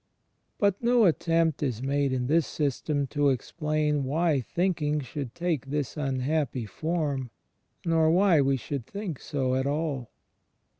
But no attempt is made in this system to explain why thinking should take this imhappy form, nor why we should think so at all.